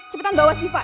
cepetan bawa syifa